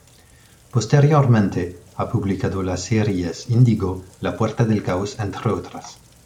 Posteriormente, ha publicado las series "Índigo", "La puerta del caos" entre otras.